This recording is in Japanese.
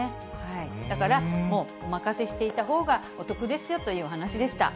だから、もうお任せしていたほうがお得ですよというお話でした。